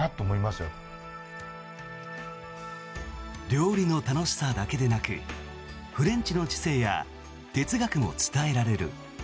料理の楽しさだけでなくフレンチの知性や哲学も伝えられる。